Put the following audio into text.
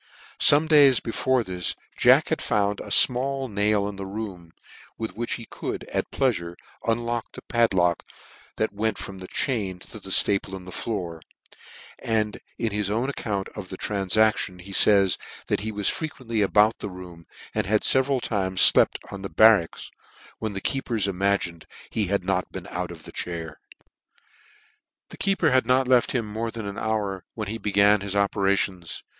Some days before this Jack had found a final 1 nail in the room, with which he could, at pleafure, unlock the padlock that went from the chain to thehtaple in the floor; and in his own account of this tranfaclion, he fays, " that he was frequently " about the room, and had feveral times fiept on " the barracks, when the keepers imagined he had not been out of his chair/' The keeper had not left him more than an hour when he began his operations.